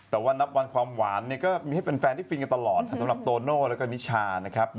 แต่ว่านับวันความหวานก็มีให้แฟนได้ฟินกันตลอดสำหรับโตโน่แล้วก็นิชานะครับ